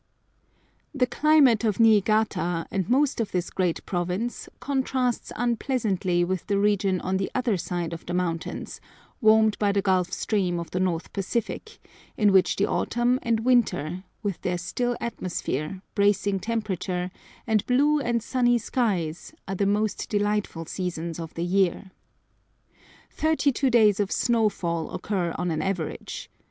The climate of Niigata and of most of this great province contrasts unpleasantly with the region on the other side of the mountains, warmed by the gulf stream of the North Pacific, in which the autumn and winter, with their still atmosphere, bracing temperature, and blue and sunny skies, are the most delightful seasons of the year. Thirty two days of snow fall occur on an average.